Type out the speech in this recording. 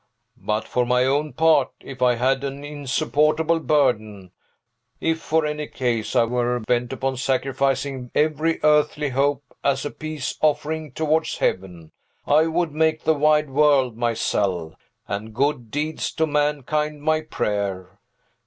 But, for my own part, if I had an insupportable burden, if, for any cause, I were bent upon sacrificing every earthly hope as a peace offering towards Heaven, I would make the wide world my cell, and good deeds to mankind my prayer.